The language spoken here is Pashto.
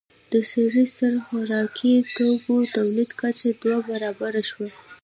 د سړي سر خوراکي توکو تولید کچه دوه برابره شوه.